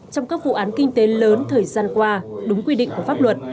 trong các vụ án kinh tế lớn thời gian qua đúng quy định của pháp luật